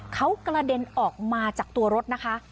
เขากระเด็นออกมาจากตัวรถนะคะ